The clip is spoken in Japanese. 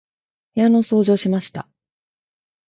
部屋の掃除をしました。